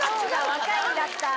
若いんだった。